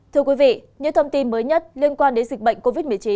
thưa quý vị những thông tin mới nhất liên quan đến dịch bệnh covid một mươi chín